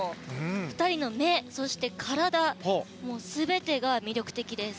２人の目、そして体全てが魅力的です。